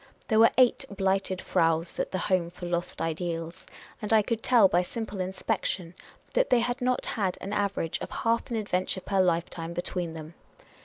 There were eight Blighted Fraus at the Home for Lost Ideals, and I could tell by simple inspection that they had not had an average of half an adventure per lifetime between them.